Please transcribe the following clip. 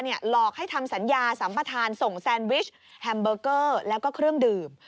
หลอกให้ทำสัญญาสัมปทานส่งแซนวิชแฮมเบอร์เกอร์แล้วก็เครื่องดื่ม